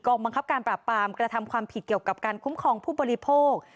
บังคับการปราบปรามกระทำความผิดเกี่ยวกับการคุ้มครองผู้บริโภค